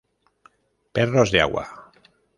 Perros de agua.